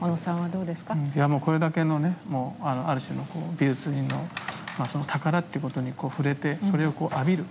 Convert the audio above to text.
いやもうこれだけのねもうある種の美術品の宝ってことに触れてそれを浴びる。